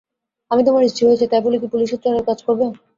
আমি তোমার স্ত্রী হয়েছি, তাই বলে কি পুলিসের চরের কাজ করব।